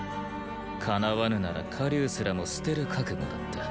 かなわぬなら“火龍”すらも捨てる覚悟だった。